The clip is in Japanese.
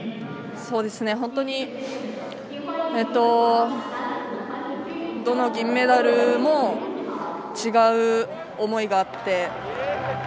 本当にどの銀メダルも違う思いがあって。